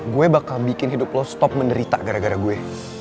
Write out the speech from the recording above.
gue bakal bikin hidup lo stop menderita gara gara gue